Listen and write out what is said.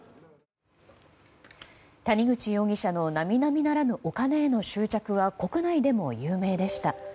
谷口容疑者の並々ならぬお金への執着は国内でも有名でした。